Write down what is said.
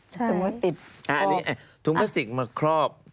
ใช่ถุงพลาสติกมาครอบ